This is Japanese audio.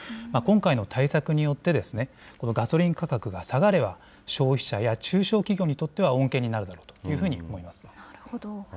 今回の対策によって、このガソリン価格が下がれば消費者や中小企業にとっては恩恵になるだろうというふうに思います。